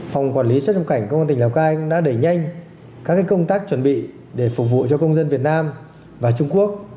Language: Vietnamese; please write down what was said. phòng quản lý xuất nhập cảnh công an tỉnh lào cai cũng đã đẩy nhanh các công tác chuẩn bị để phục vụ cho công dân việt nam và trung quốc